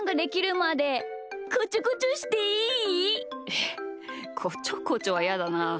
えっこちょこちょはやだな。